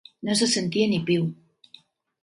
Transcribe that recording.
No se sentia ni piu.